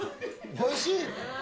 おいしい。